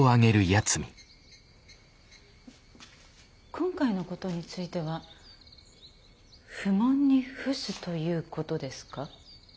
今回のことについては不問に付すということですか？